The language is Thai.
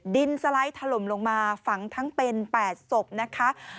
ดินสไลด์ถล่มลงมาฝังทั้งเป็น๘ศพนะคะ